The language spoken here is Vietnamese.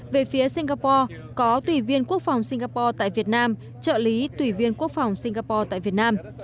về phía singapore có tùy viên quốc phòng singapore tại việt nam trợ lý tùy viên quốc phòng singapore tại việt nam